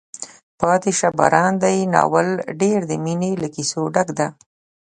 پاتې شه باران دی ناول ډېر د مینې له کیسو ډک ده.